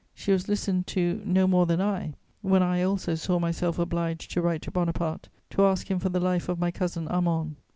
She was listened to no more than I, when I also saw myself obliged to write to Bonaparte to ask him for the life of my cousin Armand.